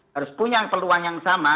harus punya peluang yang sama